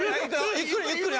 ゆっくりゆっくりな。